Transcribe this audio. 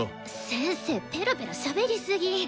先生ペラぺラしゃべりすぎ。